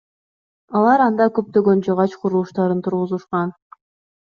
Алар анда көптөгөн жыгач курулуштарын тургузушкан.